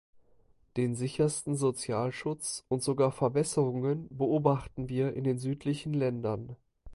Den sichersten Sozialschutz und sogar Verbesserungen beobachten wir in den südlichen Ländern.